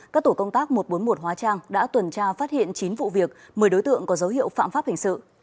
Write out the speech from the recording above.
các tổ công tác một trăm bốn mươi một hóa trang đã tuần tra phát hiện chín vụ việc một mươi đối tượng có dấu hiệu phạm pháp hình sự